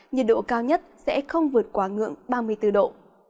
nhiệt độ cao nhất sẽ không vượt quá ngưỡng ba mươi bốn độ